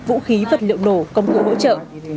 vũ khí vật liệu nổ công cụ hỗ trợ